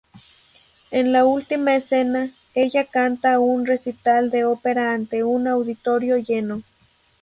En la última escena, ella canta un recital de ópera ante un auditorio lleno.